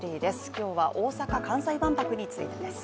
今日は大阪・関西万博についてです。